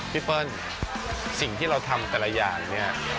เปิ้ลสิ่งที่เราทำแต่ละอย่างเนี่ย